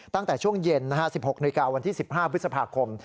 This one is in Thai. ตั้งแต่ช่วงเย็น๑๖นาฬิกาวันที่๑๕พฤษภาคม